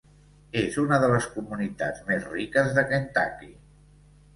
És una de les comunitats més riques de Kentucky.